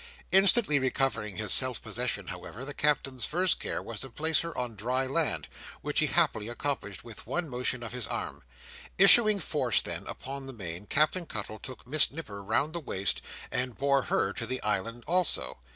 Instantly recovering his self possession, however, the Captain's first care was to place her on dry land, which he happily accomplished, with one motion of his arm. Issuing forth, then, upon the main, Captain Cuttle took Miss Nipper round the waist, and bore her to the island also.